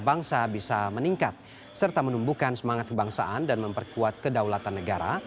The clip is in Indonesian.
bangsa bisa meningkat serta menumbuhkan semangat kebangsaan dan memperkuat kedaulatan negara